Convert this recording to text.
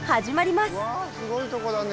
わすごいとこだね。